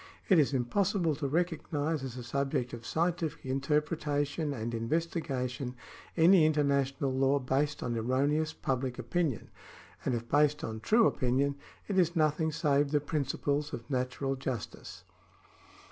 It is impossible to recognise as a subject of scientific interpretation and investigation any international law based on erroneous public opinion ; and if based on true opinion, it is nothing save the principles of natural justice.